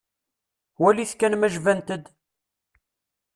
Walit kan ma jbant-d.